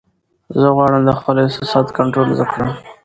زه غواړم د خپلو احساساتو کنټرول زده کړم.